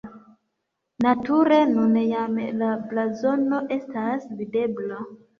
Nature nun jam la blazono estas videbla.